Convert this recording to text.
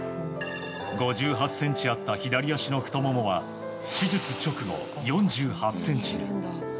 ５８ｃｍあった左足の太ももは手術直後４８ｃｍに。